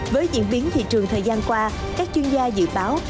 với diễn biến thị trường thời gian qua các chuyên gia dự báo